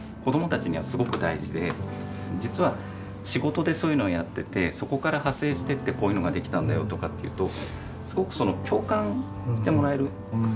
実は仕事でそういうのをやっててそこから派生して行ってこういうのができたんだよとかっていうとすごく共感してもらえる。